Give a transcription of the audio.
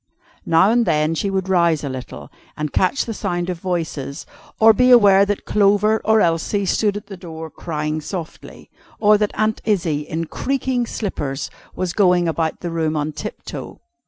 Now and then she would rouse a little, and catch the sound of voices, or be aware that Clover or Elsie stood at the door, crying softly; or that Aunt Izzie, in creaking slippers, was going about the room on tiptoe.